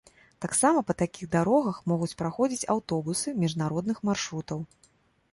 Таксама па такіх дарогах могуць праходзіць аўтобусы міжнародных маршрутаў.